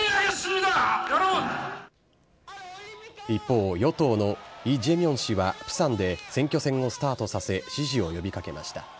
一方、与党のイ・ジェミョン氏はプサンで選挙戦をスタートさせ、支持を呼びかけました。